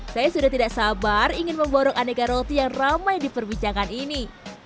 saya sudah tidak sabar ingin memborok adegan roti yang ramai di perbincangan ini